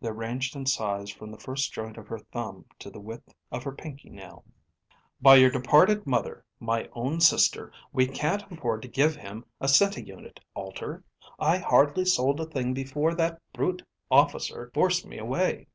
They ranged in size from the first joint of her thumb to the width of her pinky nail. "By your departed mother, my own sister, we can't afford to give him a centiunit, Alter. I hardly sold a thing before that brute officer forced me away."